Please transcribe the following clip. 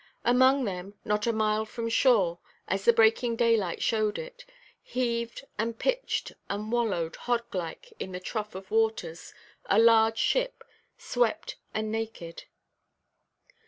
Among them, not a mile from shore, as the breaking daylight showed it, heaved, and pitched, and wallowed hog–like in the trough of waters, a large ship, swept and naked.